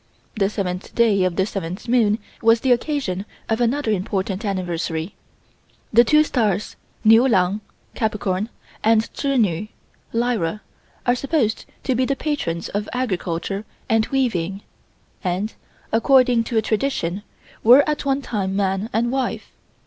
The seventh day of the seventh moon was the occasion of another important anniversary. The two stars, Niu Lang (Capricorn) and Chih Nu (Lyra) are supposed to be the patrons of agriculture and weaving and, according to tradition, were at one time man and wife.